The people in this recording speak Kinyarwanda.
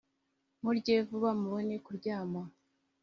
murye vuba mubone kuryama